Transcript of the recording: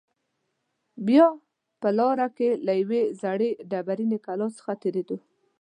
بیا به په لاره کې له یوې زړې ډبرینې کلا څخه تېرېدو.